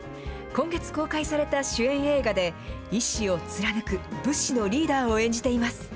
今月公開された主演映画で、意志を貫く武士のリーダーを演じています。